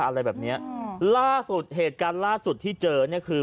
อะไรแบบเนี้ยอืมล่าสุดเหตุการณ์ล่าสุดที่เจอเนี่ยคือ